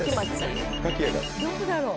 どこだろう？